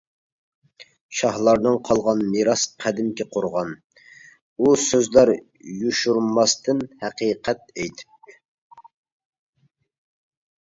شاھلاردىن قالغان مىراس قەدىمكى قورغان، ئۇ سۆزلەر يوشۇرماستىن ھەقىقەت ئېيتىپ!